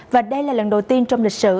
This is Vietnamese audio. và đây là lần đầu tiên trong lịch sử